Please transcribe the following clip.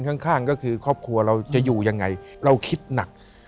ข้างก็คือครอบครัวเราจะอยู่ยังไงเราคิดหนัก